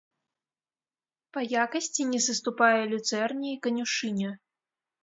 Па якасці не саступае люцэрне і канюшыне.